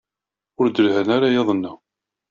Ur d-lhan ara yid-neɣ.